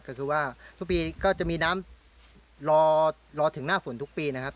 ก็คือว่าทุกปีก็จะมีน้ำรอถึงหน้าฝนทุกปีนะครับ